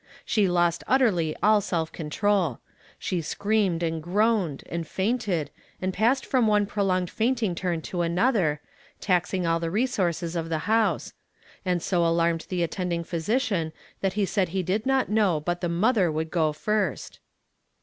She lost utterlv all self control. She screamed and groaned, and fainted, and passed from one prolonged fainting turn to another, taxing all the resources of the house ; and so alarmed the attend ing physician that he said he did not know but the mother would go first.